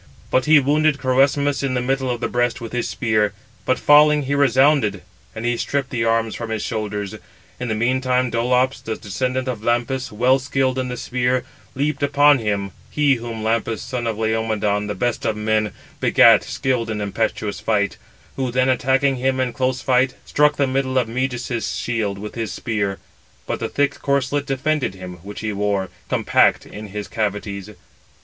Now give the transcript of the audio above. But he wounded Crœsmus in the middle of the breast with his spear, but falling, he resounded; and he stripped the arms from his shoulders. In the meantime Dolops, the descendant of Lampus, well skilled in the spear, leaped upon him (he whom Lampus, son of Laomedon, the best of men, begat, skilled in impetuous fight), who then attacking him in close fight, struck the middle of Meges's shield with his spear: but the thick corslet defended him, which he wore, compact in its cavities.